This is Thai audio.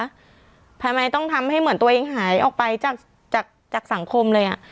ทำไมต้องทำให้เหมือนตัวเองหายออกไปจากจากสังคมเลยอ่ะ